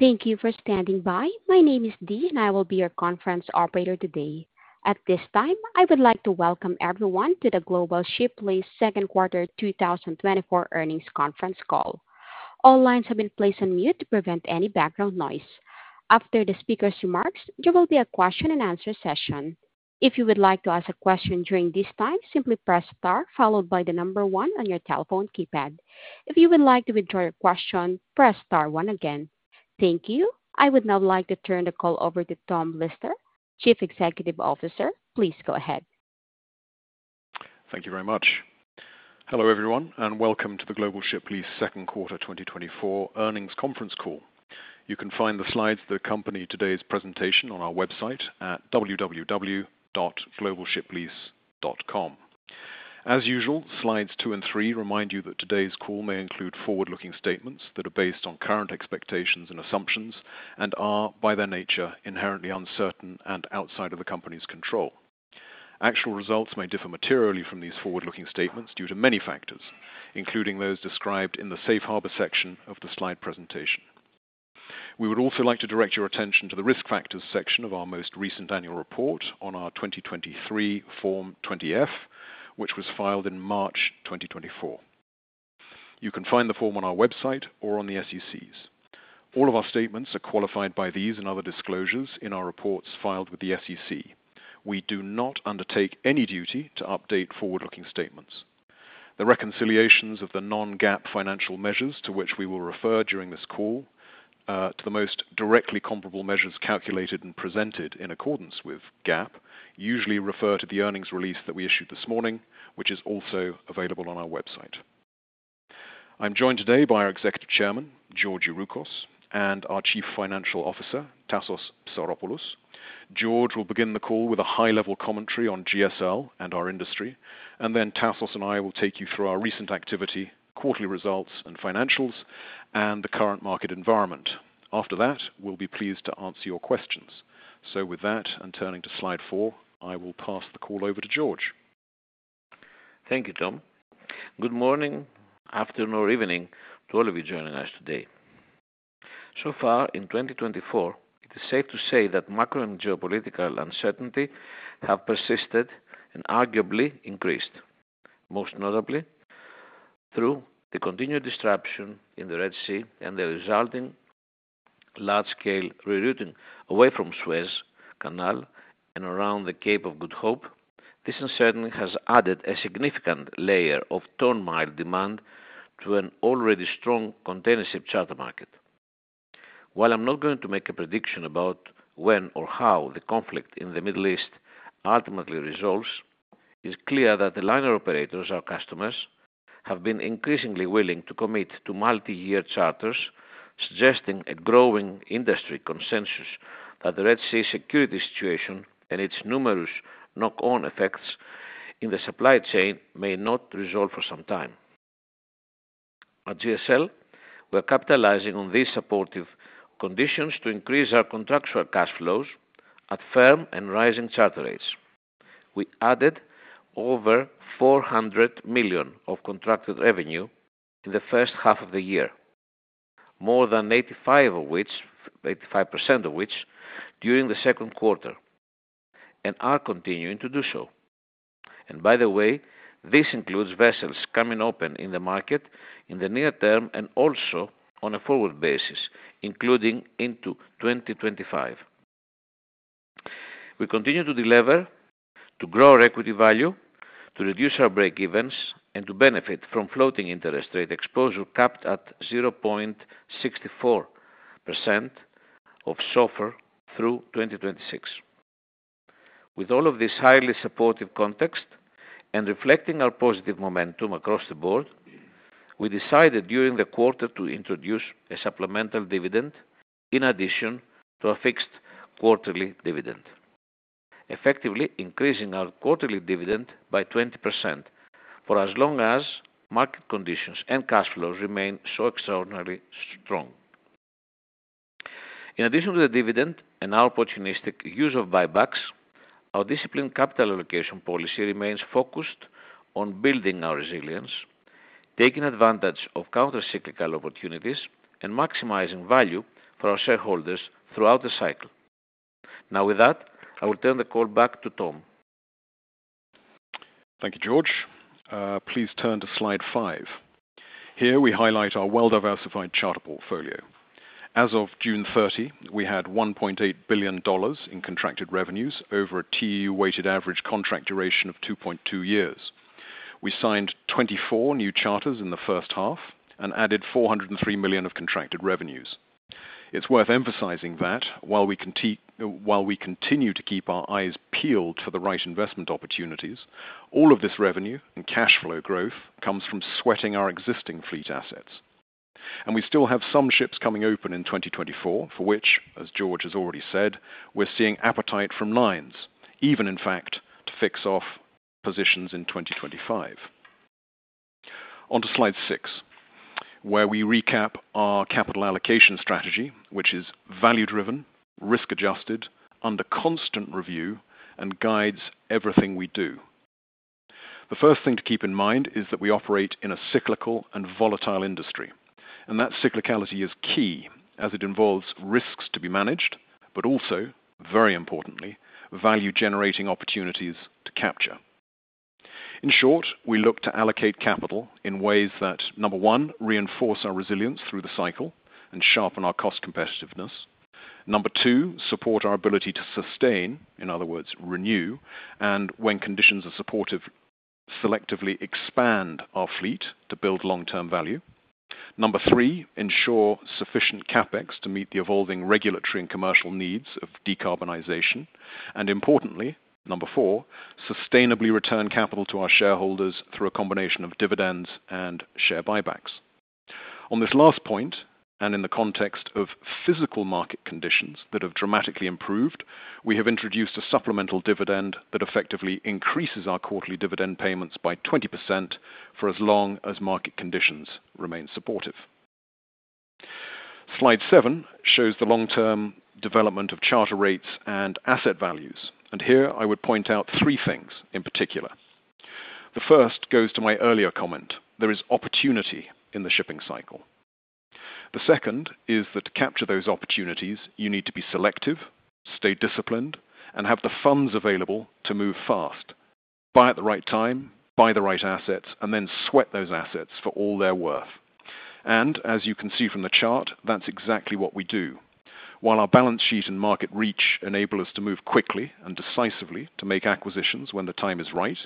Thank you for standing by. My name is Dee, and I will be your conference operator today. At this time, I would like to welcome everyone to the Global Ship Lease Second Quarter 2024 Earnings Conference Call. All lines have been placed on mute to prevent any background noise. After the speaker's remarks, there will be a question-and-answer session. If you would like to ask a question during this time, simply press star followed by the number one on your telephone keypad. If you would like to withdraw your question, press star one again. Thank you. I would now like to turn the call over to Tom Lister, Chief Executive Officer. Please go ahead. Thank you very much. Hello everyone, and welcome to the Global Ship Lease Second Quarter 2024 Earnings Conference Call. You can find the slides that accompany today's presentation on our website at www.globalshiplease.com. As usual, slides two and three remind you that today's call may include forward-looking statements that are based on current expectations and assumptions and are, by their nature, inherently uncertain and outside of the company's control. Actual results may differ materially from these forward-looking statements due to many factors, including those described in the safe harbor section of the slide presentation. We would also like to direct your attention to the risk factors section of our most recent annual report on our 2023 Form 20-F, which was filed in March 2024. You can find the form on our website or on the SEC's. All of our statements are qualified by these and other disclosures in our reports filed with the SEC. We do not undertake any duty to update forward-looking statements. The reconciliations of the non-GAAP financial measures to which we will refer during this call to the most directly comparable measures calculated and presented in accordance with GAAP usually refer to the earnings release that we issued this morning, which is also available on our website. I'm joined today by our Executive Chairman, Georgios Youroukos, and our Chief Financial Officer, Tassos Psaropoulos. George will begin the call with a high-level commentary on GSL and our industry, and then Tassos and I will take you through our recent activity, quarterly results and financials, and the current market environment. After that, we'll be pleased to answer your questions. With that, and turning to slide four, I will pass the call over to George. Thank you, Tom. Good morning, afternoon, or evening to all of you joining us today. So far in 2024, it is safe to say that macro and geopolitical uncertainty have persisted and arguably increased, most notably through the continued disruption in the Red Sea and the resulting large-scale rerouting away from Suez Canal and around the Cape of Good Hope. This uncertainty has added a significant layer of turmoil demand to an already strong container ship charter market. While I'm not going to make a prediction about when or how the conflict in the Middle East ultimately resolves, it's clear that the liner operators, our customers, have been increasingly willing to commit to multi-year charters, suggesting a growing industry consensus that the Red Sea security situation and its numerous knock-on effects in the supply chain may not resolve for some time. At GSL, we're capitalizing on these supportive conditions to increase our contractual cash flows at firm and rising charter rates. We added over $400 million of contracted revenue in the first half of the year, more than 85% of which during the second quarter, and are continuing to do so. And by the way, this includes vessels coming open in the market in the near term and also on a forward basis, including into 2025. We continue to deliver to grow our equity value, to reduce our break-evens, and to benefit from floating interest rate exposure capped at 0.64% of SOFR through 2026. With all of this highly supportive context and reflecting our positive momentum across the board, we decided during the quarter to introduce a supplemental dividend in addition to a fixed quarterly dividend, effectively increasing our quarterly dividend by 20% for as long as market conditions and cash flows remain so extraordinarily strong. In addition to the dividend and our opportunistic use of buybacks, our disciplined capital allocation policy remains focused on building our resilience, taking advantage of countercyclical opportunities, and maximizing value for our shareholders throughout the cycle. Now, with that, I will turn the call back to Tom. Thank you, George. Please turn to slide five. Here we highlight our well-diversified charter portfolio. As of June 30, we had $1.8 billion in contracted revenues over a TEU-weighted average contract duration of 2.2 years. We signed 24 new charters in the first half and added $403 million of contracted revenues. It's worth emphasizing that while we continue to keep our eyes peeled for the right investment opportunities, all of this revenue and cash flow growth comes from sweating our existing fleet assets. And we still have some ships coming open in 2024 for which, as George has already said, we're seeing appetite from lines, even in fact to fix off positions in 2025. Onto slide six, where we recap our capital allocation strategy, which is value-driven, risk-adjusted, under constant review, and guides everything we do. The first thing to keep in mind is that we operate in a cyclical and volatile industry, and that cyclicality is key as it involves risks to be managed, but also, very importantly, value-generating opportunities to capture. In short, we look to allocate capital in ways that, number one, reinforce our resilience through the cycle and sharpen our cost competitiveness. Number two, support our ability to sustain, in other words, renew, and when conditions are supportive, selectively expand our fleet to build long-term value. Number three, ensure sufficient CapEx to meet the evolving regulatory and commercial needs of decarbonization. Importantly, number four, sustainably return capital to our shareholders through a combination of dividends and share buybacks. On this last point, and in the context of physical market conditions that have dramatically improved, we have introduced a supplemental dividend that effectively increases our quarterly dividend payments by 20% for as long as market conditions remain supportive. Slide seven shows the long-term development of charter rates and asset values. Here I would point out three things in particular. The first goes to my earlier comment. There is opportunity in the shipping cycle. The second is that to capture those opportunities, you need to be selective, stay disciplined, and have the funds available to move fast, buy at the right time, buy the right assets, and then sweat those assets for all their worth. As you can see from the chart, that's exactly what we do. While our balance sheet and market reach enable us to move quickly and decisively to make acquisitions when the time is right,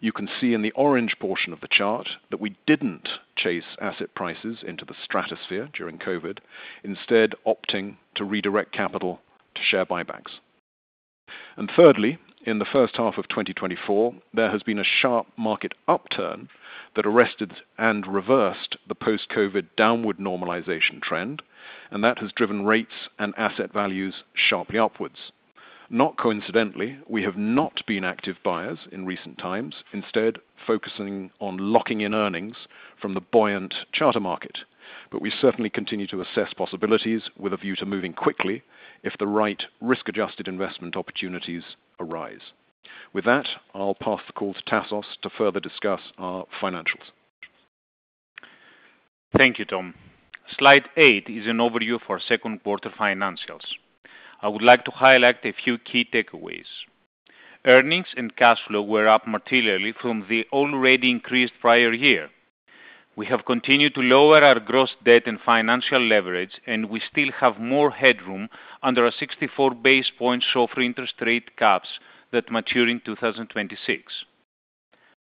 you can see in the orange portion of the chart that we didn't chase asset prices into the stratosphere during COVID, instead opting to redirect capital to share buybacks. And thirdly, in the first half of 2024, there has been a sharp market upturn that arrested and reversed the post-COVID downward normalization trend, and that has driven rates and asset values sharply upwards. Not coincidentally, we have not been active buyers in recent times, instead focusing on locking in earnings from the buoyant charter market. But we certainly continue to assess possibilities with a view to moving quickly if the right risk-adjusted investment opportunities arise. With that, I'll pass the call to Tassos to further discuss our financials. Thank you, Tom. Slide eight is an overview for second quarter financials. I would like to highlight a few key takeaways. Earnings and cash flow were up materially from the already increased prior year. We have continued to lower our gross debt and financial leverage, and we still have more headroom under a 64 basis point SOFR interest rate caps that mature in 2026.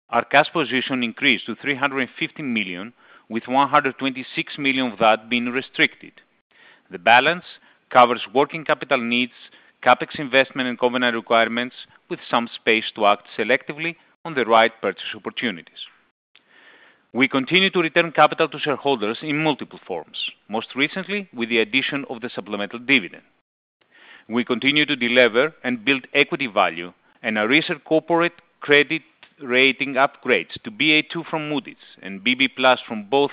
Our cash position increased to $350 million, with $126 million of that being restricted. The balance covers working capital needs, CapEx investment, and company requirements, with some space to act selectively on the right purchase opportunities. We continue to return capital to shareholders in multiple forms, most recently with the addition of the supplemental dividend. We continue to deliver and build equity value, and our recent corporate credit rating upgrades to Ba2 from Moody's and BB+ from both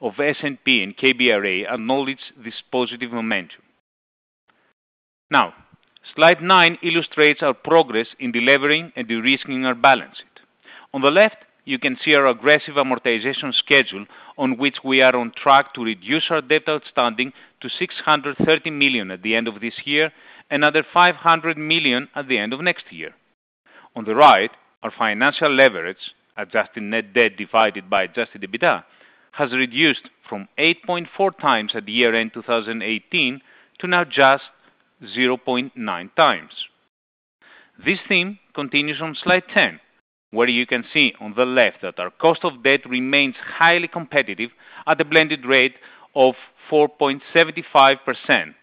of S&P and KBRA acknowledge this positive momentum. Now, slide nine illustrates our progress in delivering and de-risking our balance sheet. On the left, you can see our aggressive amortization schedule on which we are on track to reduce our debt outstanding to $630 million at the end of this year and another $500 million at the end of next year. On the right, our financial leverage, adjusting net debt divided by Adjusted EBITDA, has reduced from 8.4x at year-end 2018 to now just 0.9x. This theme continues on slide 10, where you can see on the left that our cost of debt remains highly competitive at a blended rate of 4.75%.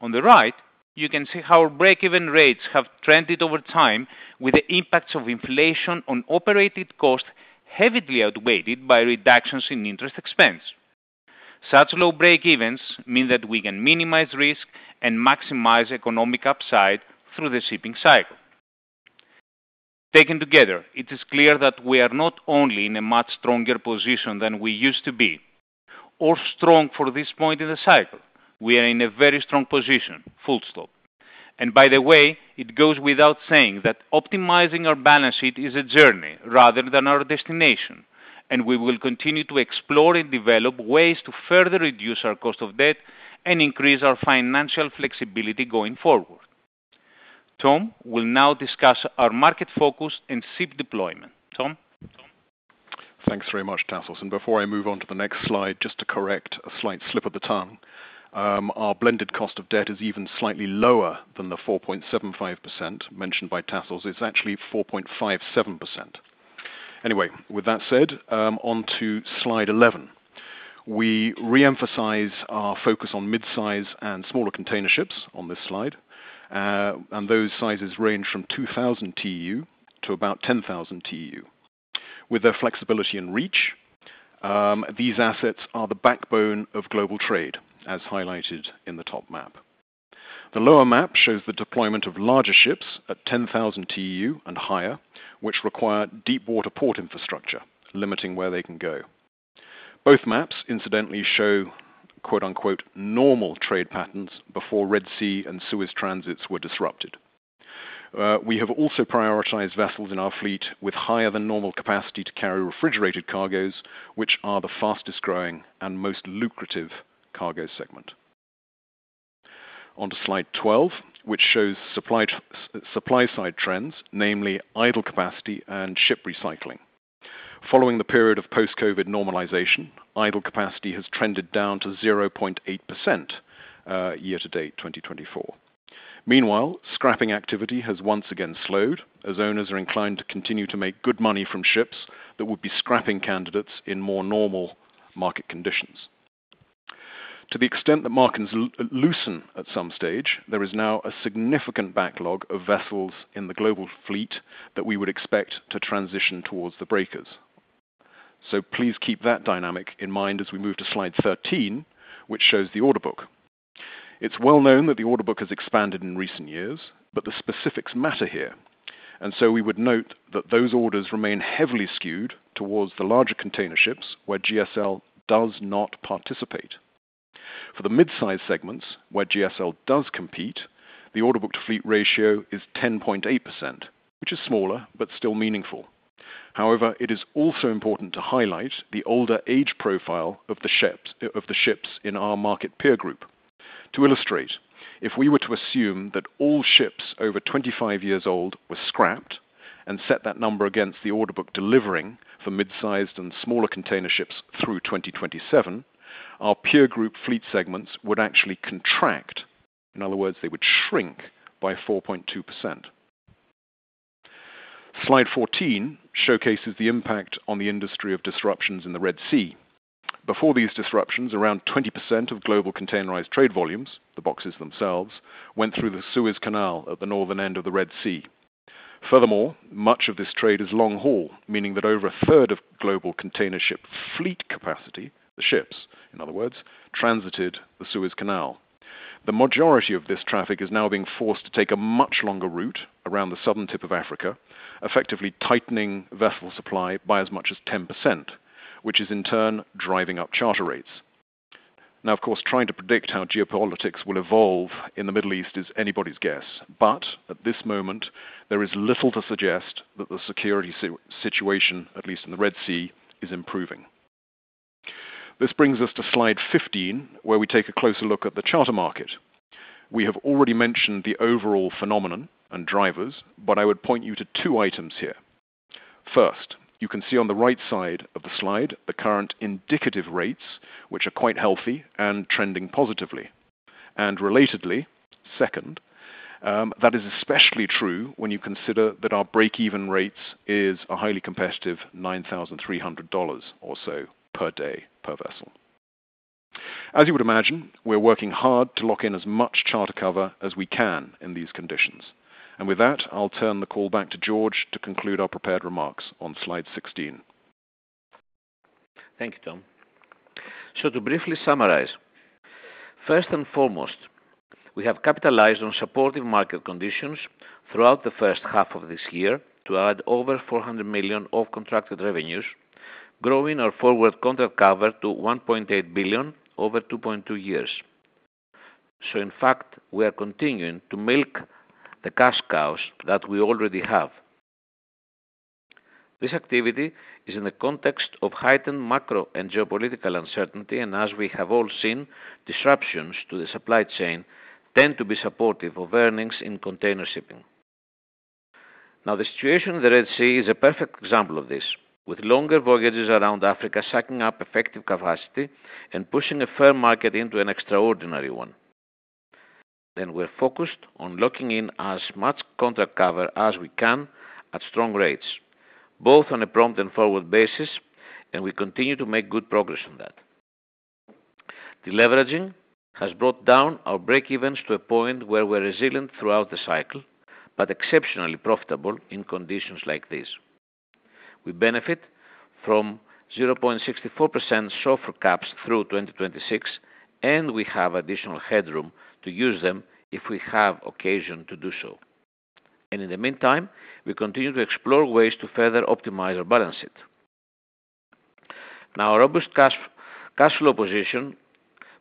On the right, you can see how our break-even rates have trended over time with the impacts of inflation on operated costs heavily outweighed by reductions in interest expense. Such low breakevens mean that we can minimize risk and maximize economic upside through the shipping cycle. Taken together, it is clear that we are not only in a much stronger position than we used to be or strong for this point in the cycle. We are in a very strong position, full stop. And by the way, it goes without saying that optimizing our balance sheet is a journey rather than our destination, and we will continue to explore and develop ways to further reduce our cost of debt and increase our financial flexibility going forward. Tom will now discuss our market focus and SIP deployment. Tom? Thanks very much, Tassos. Before I move on to the next slide, just to correct a slight slip of the tongue, our blended cost of debt is even slightly lower than the 4.75% mentioned by Tassos. It's actually 4.57%. Anyway, with that said, onto slide 11. We re-emphasize our focus on mid-size and smaller container ships on this slide, and those sizes range from 2,000 TEU to about 10,000 TEU. With their flexibility and reach, these assets are the backbone of global trade, as highlighted in the top map. The lower map shows the deployment of larger ships at 10,000 TEU and higher, which require deep-water port infrastructure, limiting where they can go. Both maps, incidentally, show "normal" trade patterns before Red Sea and Suez transits were disrupted. We have also prioritized vessels in our fleet with higher than normal capacity to carry refrigerated cargoes, which are the fastest growing and most lucrative cargo segment. Onto slide 12, which shows supply-side trends, namely idle capacity and ship recycling. Following the period of post-COVID normalization, idle capacity has trended down to 0.8% year-to-date 2024. Meanwhile, scrapping activity has once again slowed as owners are inclined to continue to make good money from ships that would be scrapping candidates in more normal market conditions. To the extent that markets loosen at some stage, there is now a significant backlog of vessels in the global fleet that we would expect to transition towards the breakers. So please keep that dynamic in mind as we move to slide 13, which shows the order book. It's well known that the order book has expanded in recent years, but the specifics matter here. So we would note that those orders remain heavily skewed towards the larger container ships where GSL does not participate. For the mid-size segments where GSL does compete, the order book to fleet ratio is 10.8%, which is smaller but still meaningful. However, it is also important to highlight the older age profile of the ships in our market peer group. To illustrate, if we were to assume that all ships over 25 years old were scrapped and set that number against the order book delivering for mid-sized and smaller container ships through 2027, our peer group fleet segments would actually contract. In other words, they would shrink by 4.2%. Slide 14 showcases the impact on the industry of disruptions in the Red Sea. Before these disruptions, around 20% of global containerized trade volumes, the boxes themselves, went through the Suez Canal at the northern end of the Red Sea. Furthermore, much of this trade is long-haul, meaning that over a third of global container ship fleet capacity, the ships, in other words, transited the Suez Canal. The majority of this traffic is now being forced to take a much longer route around the southern tip of Africa, effectively tightening vessel supply by as much as 10%, which is in turn driving up charter rates. Now, of course, trying to predict how geopolitics will evolve in the Middle East is anybody's guess, but at this moment, there is little to suggest that the security situation, at least in the Red Sea, is improving. This brings us to slide 15, where we take a closer look at the charter market. We have already mentioned the overall phenomenon and drivers, but I would point you to two items here. First, you can see on the right side of the slide the current indicative rates, which are quite healthy and trending positively. And relatedly, second, that is especially true when you consider that our break-even rates is a highly competitive $9,300 or so per day per vessel. As you would imagine, we're working hard to lock in as much charter cover as we can in these conditions. And with that, I'll turn the call back to George to conclude our prepared remarks on slide 16. Thank you, Tom. So to briefly summarize, first and foremost, we have capitalized on supportive market conditions throughout the first half of this year to add over $400 million of contracted revenues, growing our forward contract cover to $1.8 billion over 2.2 years. So in fact, we are continuing to milk the cash cows that we already have. This activity is in the context of heightened macro and geopolitical uncertainty, and as we have all seen, disruptions to the supply chain tend to be supportive of earnings in container shipping. Now, the situation in the Red Sea is a perfect example of this, with longer voyages around Africa sucking up effective capacity and pushing a firm market into an extraordinary one. We're focused on locking in as much contract cover as we can at strong rates, both on a prompt and forward basis, and we continue to make good progress on that. The leveraging has brought down our break-evens to a point where we're resilient throughout the cycle, but exceptionally profitable in conditions like this. We benefit from 0.64% SOFR caps through 2026, and we have additional headroom to use them if we have occasion to do so. In the meantime, we continue to explore ways to further optimize or balance it. Now, our robust cash flow position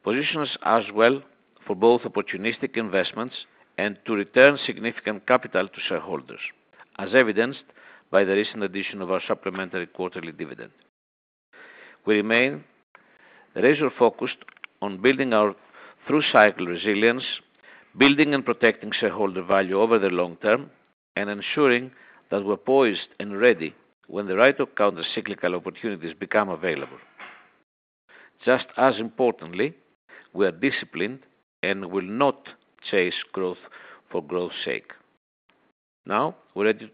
positions us well for both opportunistic investments and to return significant capital to shareholders, as evidenced by the recent addition of our supplementary quarterly dividend. We remain razor-focused on building our through-cycle resilience, building and protecting shareholder value over the long term, and ensuring that we're poised and ready when the right to account for cyclical opportunities becomes available. Just as importantly, we are disciplined and will not chase growth for growth's sake. Now, we're ready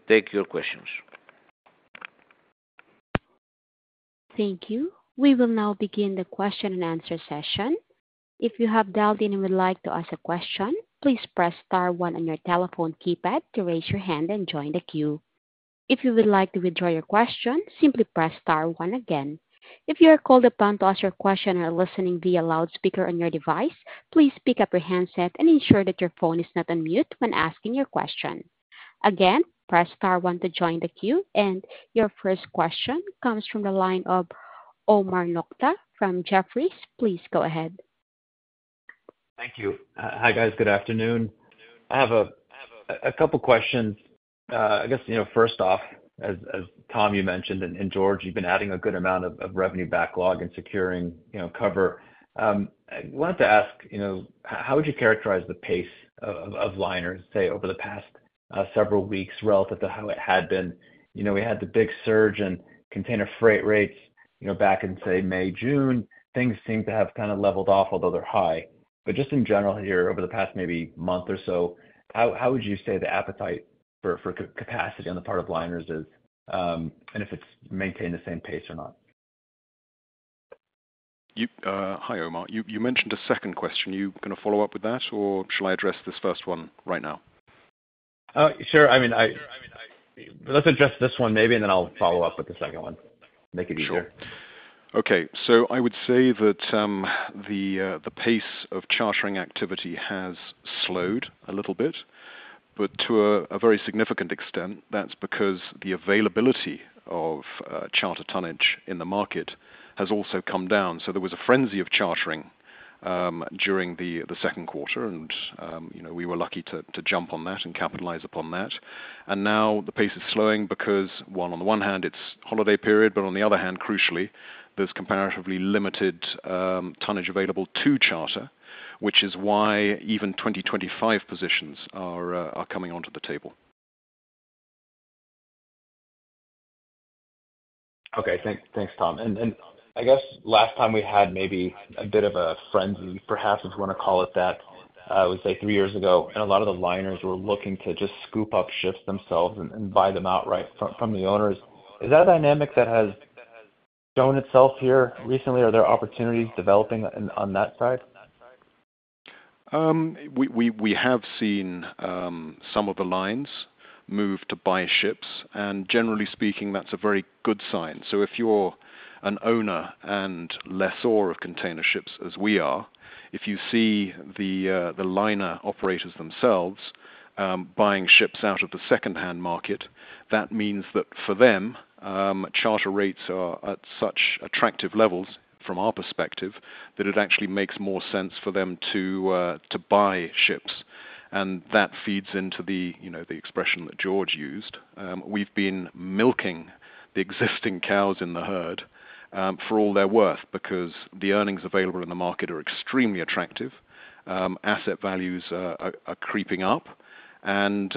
to take your questions. Thank you. We will now begin the question and answer session. If you have dialed in and would like to ask a question, please press star one on your telephone keypad to raise your hand and join the queue. If you would like to withdraw your question, simply press star one again. If you are called upon to ask your question or are listening via loudspeaker on your device, please pick up your handset and ensure that your phone is not on mute when asking your question. Again, press star one to join the queue, and your first question comes from the line of Omar Nokta from Jefferies. Please go ahead. Thank you. Hi, guys. Good afternoon. I have a couple of questions. I guess, first off, as Tom, you mentioned, and George, you've been adding a good amount of revenue backlog and securing cover. I wanted to ask, how would you characterize the pace of liners, say, over the past several weeks relative to how it had been? We had the big surge in container freight rates back in, say, May, June. Things seem to have kind of leveled off, although they're high. But just in general here, over the past maybe month or so, how would you say the appetite for capacity on the part of liners is, and if it's maintained the same pace or not? Hi, Omar. You mentioned a second question. Are you going to follow up with that, or shall I address this first one right now? Sure. I mean, let's address this one maybe, and then I'll follow up with the second one. Make it easier. Sure. Okay. So I would say that the pace of chartering activity has slowed a little bit, but to a very significant extent, that's because the availability of charter tonnage in the market has also come down. So there was a frenzy of chartering during the second quarter, and we were lucky to jump on that and capitalize upon that. And now the pace is slowing because, on the one hand, it's holiday period, but on the other hand, crucially, there's comparatively limited tonnage available to charter, which is why even 2025 positions are coming onto the table. Okay. Thanks, Tom. And I guess last time we had maybe a bit of a frenzy, perhaps, if you want to call it that, I would say three years ago, and a lot of the liners were looking to just scoop up ships themselves and buy them outright from the owners. Is that a dynamic that has shown itself here recently? Are there opportunities developing on that side? We have seen some of the lines move to buy ships, and generally speaking, that's a very good sign. So if you're an owner and lessor of container ships, as we are, if you see the liner operators themselves buying ships out of the second-hand market, that means that for them, charter rates are at such attractive levels, from our perspective, that it actually makes more sense for them to buy ships. And that feeds into the expression that George used. We've been milking the existing cows in the herd for all their worth because the earnings available in the market are extremely attractive. Asset values are creeping up, and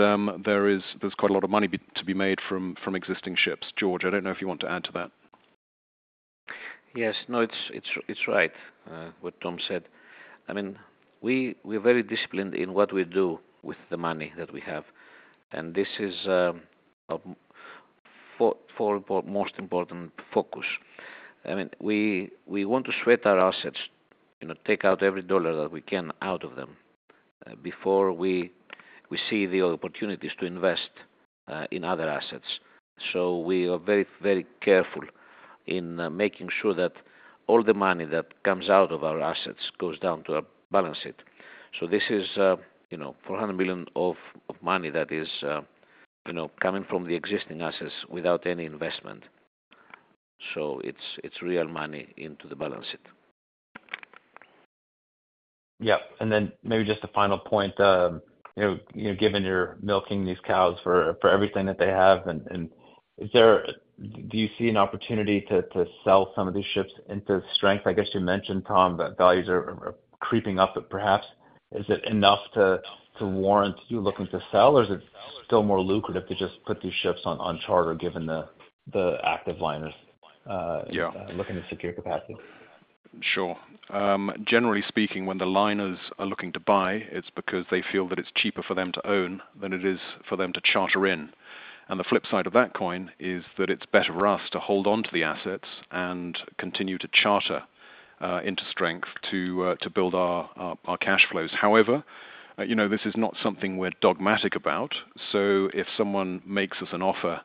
there's quite a lot of money to be made from existing ships. George, I don't know if you want to add to that? Yes. No, it's right what Tom said. I mean, we're very disciplined in what we do with the money that we have, and this is our four most important focus. I mean, we want to sweat our assets, take out every dollar that we can out of them before we see the opportunities to invest in other assets. So we are very, very careful in making sure that all the money that comes out of our assets goes down to our balance sheet. So this is $400 million of money that is coming from the existing assets without any investment. So it's real money into the balance sheet. Yeah. And then maybe just a final point, given you're milking these cows for everything that they have, do you see an opportunity to sell some of these ships into strength? I guess you mentioned, Tom, that values are creeping up, but perhaps is it enough to warrant you looking to sell, or is it still more lucrative to just put these ships on charter given the active liners looking to secure capacity? Sure. Generally speaking, when the liners are looking to buy, it's because they feel that it's cheaper for them to own than it is for them to charter in. The flip side of that coin is that it's better for us to hold onto the assets and continue to charter into strength to build our cash flows. However, this is not something we're dogmatic about. If someone makes us an offer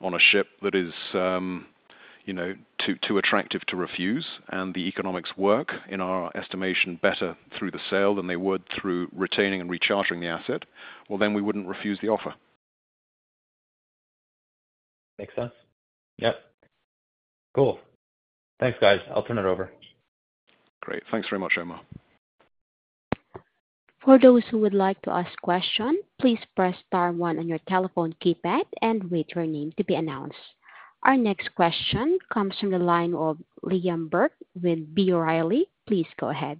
on a ship that is too attractive to refuse and the economics work, in our estimation, better through the sale than they would through retaining and rechartering the asset, well, then we wouldn't refuse the offer. Makes sense. Yep. Cool. Thanks, guys. I'll turn it over. Great. Thanks very much, Omar. For those who would like to ask a question, please press star one on your telephone keypad and wait for your name to be announced. Our next question comes from the line of Liam Burke with B. Riley. Please go ahead.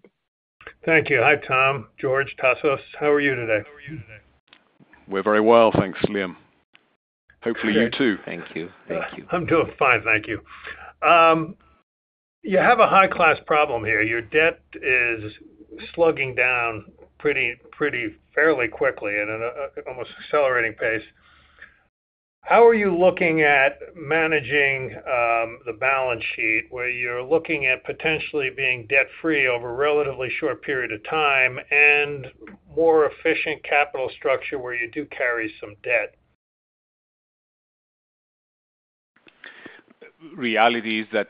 Thank you. Hi, Tom. George, Tassos. How are you today? We're very well. Thanks, Liam. Hopefully, you too. Thank you. Thank you. I'm doing fine. Thank you. You have a high-class problem here. Your debt is slugging down pretty fairly quickly at an almost accelerating pace. How are you looking at managing the balance sheet where you're looking at potentially being debt-free over a relatively short period of time and more efficient capital structure where you do carry some debt? Reality is that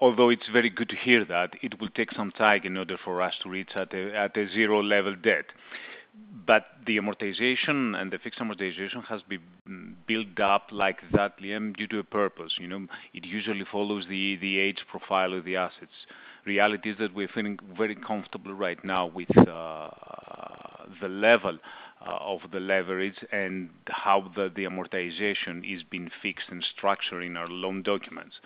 although it's very good to hear that, it will take some time in order for us to reach a zero-level debt. But the amortization and the fixed amortization has been built up like that, Liam, due to a purpose. It usually follows the age profile of the assets. Reality is that we're feeling very comfortable right now with the level of the leverage and how the amortization is being fixed and structured in our loan documents.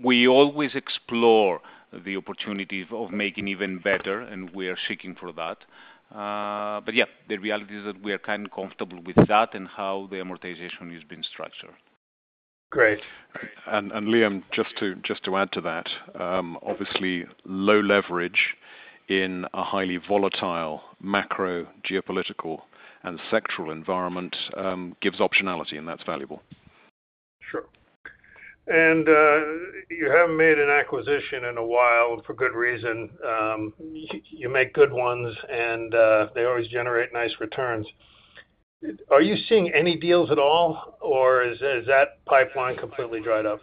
We always explore the opportunity of making it even better, and we are seeking for that. But yeah, the reality is that we are kind of comfortable with that and how the amortization has been structured. Great. Liam, just to add to that, obviously, low leverage in a highly volatile macro geopolitical and sectoral environment gives optionality, and that's valuable. Sure. You haven't made an acquisition in a while for good reason. You make good ones, and they always generate nice returns. Are you seeing any deals at all, or is that pipeline completely dried up?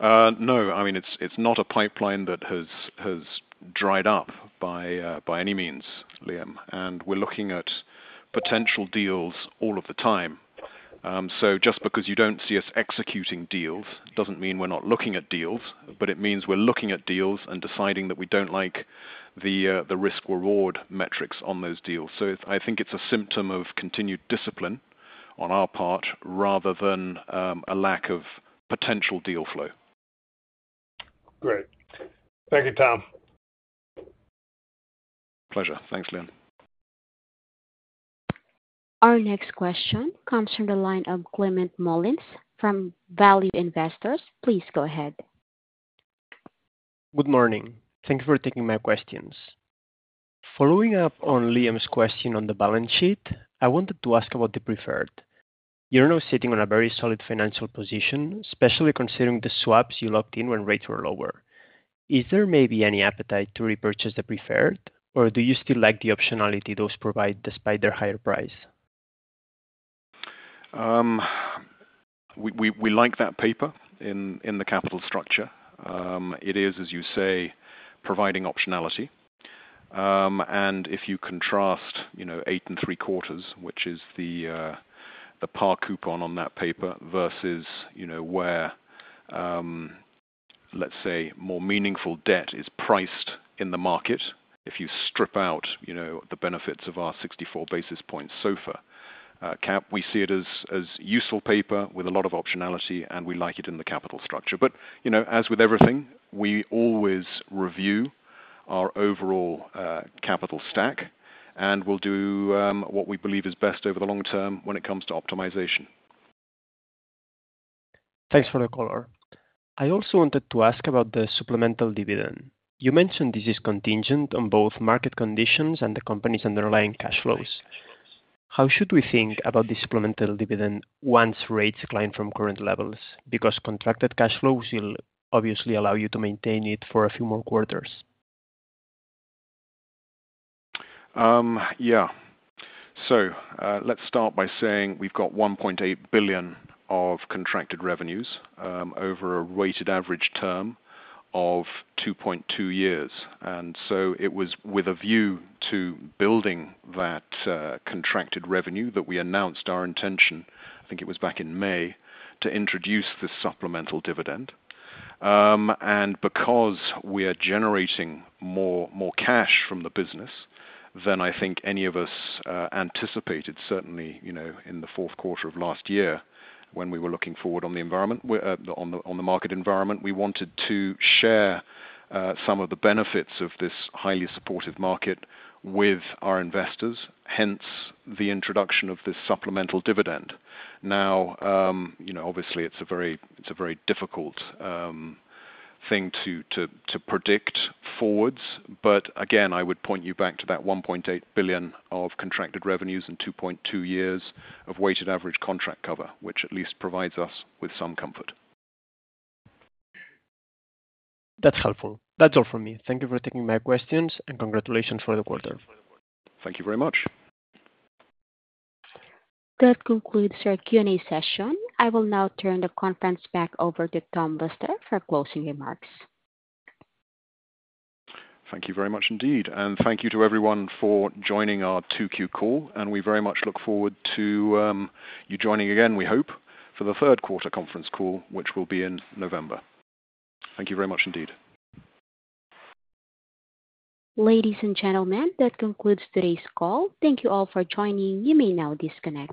No. I mean, it's not a pipeline that has dried up by any means, Liam. We're looking at potential deals all of the time. So just because you don't see us executing deals doesn't mean we're not looking at deals, but it means we're looking at deals and deciding that we don't like the risk-reward metrics on those deals. So I think it's a symptom of continued discipline on our part rather than a lack of potential deal flow. Great. Thank you, Tom. Pleasure. Thanks, Liam. Our next question comes from the line of Climent Molins from Value Investor's. Please go ahead. Good morning. Thank you for taking my questions. Following up on Liam's question on the balance sheet, I wanted to ask about the preferred. You're now sitting on a very solid financial position, especially considering the swaps you locked in when rates were lower. Is there maybe any appetite to repurchase the preferred, or do you still like the optionality those provide despite their higher price? We like that paper in the capital structure. It is, as you say, providing optionality. And if you contrast eight and three quarters, which is the par coupon on that paper versus where, let's say, more meaningful debt is priced in the market, if you strip out the benefits of our 64 basis points SOFR cap, we see it as useful paper with a lot of optionality, and we like it in the capital structure. But as with everything, we always review our overall capital stack, and we'll do what we believe is best over the long term when it comes to optimization. Thanks for the color. I also wanted to ask about the supplemental dividend. You mentioned this is contingent on both market conditions and the company's underlying cash flows. How should we think about the supplemental dividend once rates climb from current levels? Because contracted cash flows will obviously allow you to maintain it for a few more quarters. Yeah. So let's start by saying we've got $1.8 billion of contracted revenues over a weighted average term of 2.2 years. And so it was with a view to building that contracted revenue that we announced our intention, I think it was back in May, to introduce the supplemental dividend. And because we are generating more cash from the business than I think any of us anticipated, certainly in the fourth quarter of last year when we were looking forward on the environment, on the market environment, we wanted to share some of the benefits of this highly supportive market with our investors, hence the introduction of this supplemental dividend. Now, obviously, it's a very difficult thing to predict forwards, but again, I would point you back to that $1.8 billion of contracted revenues and 2.2 years of weighted average contract cover, which at least provides us with some comfort. That's helpful. That's all from me. Thank you for taking my questions and congratulations for the quarter. Thank you very much. That concludes your Q&A session. I will now turn the conference back over to Tom Lister for closing remarks. Thank you very much indeed. Thank you to everyone for joining our 2Q call. We very much look forward to you joining again, we hope, for the third quarter conference call, which will be in November. Thank you very much indeed. Ladies and gentlemen, that concludes today's call. Thank you all for joining. You may now disconnect.